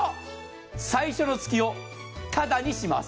最初の月をただします。